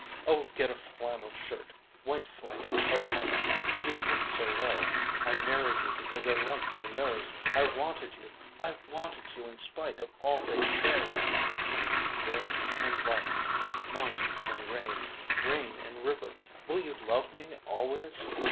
Oh get a flannel shirt, white flannel or pongee. You'd look so well! I married you because I liked your nose. I wanted you! I wanted you in spite of all they'd say Rain and light, mountain and rain, rain and river. Will you love me always?